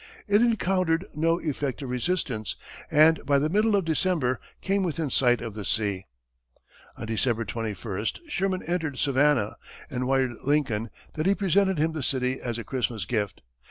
It encountered no effective resistance, and by the middle of December, came within sight of the sea. On December 21, Sherman entered Savannah, and wired Lincoln that he presented him the city as a Christmas gift.